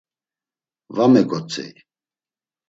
Va megotzey!